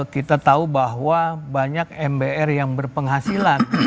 kita tahu bahwa banyak mbr yang berpenghasilan